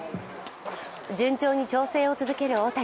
順調に調整を続ける大谷。